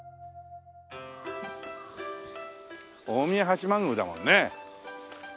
大宮八幡宮だもんね。